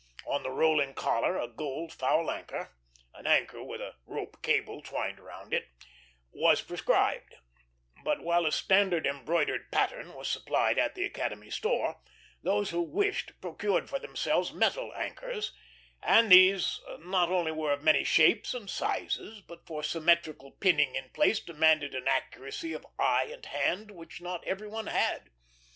On the rolling collar a gold foul anchor an anchor with a rope cable twined round it was prescribed; but, while a standard embroidered pattern was supplied at the Academy store, those who wished procured for themselves metal anchors, and these not only were of many shapes and sizes, but for symmetrical pinning in place demanded an accuracy of eye and hand which not every one had.